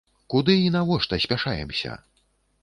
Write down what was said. Куды і навошта спяшаемся?!